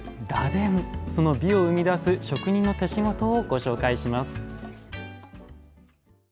その美を生み出す職人の手しごとをご紹介します。